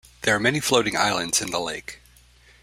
There are many floating islands in the lake.